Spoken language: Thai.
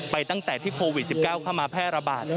ตั้งแต่ที่โควิด๑๙เข้ามาแพร่ระบาด